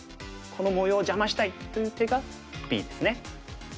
この模様を邪魔したいという手がＢですね。